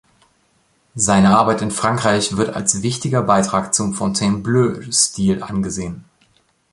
Seine Arbeit in Frankreich wird als wichtiger Beitrag zum Fontainebleau-Stil angesehen.